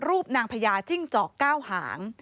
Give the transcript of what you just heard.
รูปนางพญาจิ้งจอก๙หาง